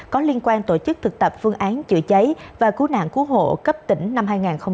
có liên quan tổ chức thực tập phương án chữa cháy và cứu nạn cứu hộ cấp tỉnh năm hai nghìn hai mươi